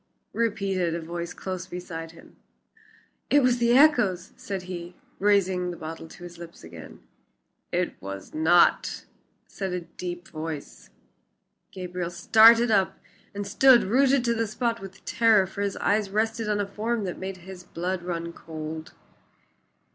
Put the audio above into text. repeated a voice close beside him. "It was the echoes," said he, raising the bottle to his lips again. "It was not," said a deep voice. Gabriel started up and stood rooted to the spot with terror, for his eyes rested on a form that made his blood run cold.